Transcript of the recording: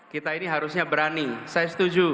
kita ini harusnya berani saya setuju